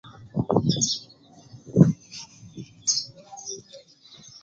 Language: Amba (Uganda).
Kotsi